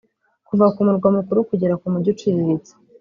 kuva ku murwa mukuru kugera ku mujyi uciriritse